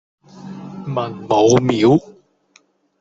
文武廟